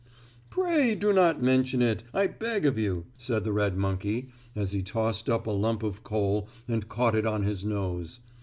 "Pray do not mention it, I beg of you," said the red monkey as he tossed up a lump of coal and caught it on his nose.